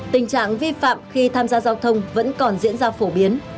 tình trạng vi phạm khi tham gia giao thông vẫn còn diễn ra phổ biến